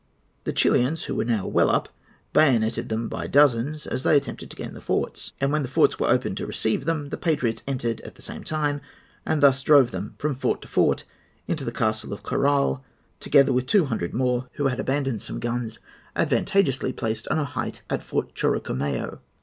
The Chilians, who were now well up, bayoneted them by dozens as they attempted to gain the forts; and when the forts were opened to receive them the patriots entered at the same time, and thus drove them from fort to fort into the Castle of Corral, together with two hundred more who had abandoned some guns advantageously placed on a height at Fort Chorocomayo.